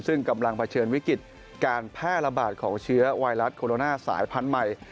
ซึ่งกำลังเผชิญวิกฤติการแพร่ระบาดของเชื้อไวรัสโคโรนาสายพันธุ์ใหม่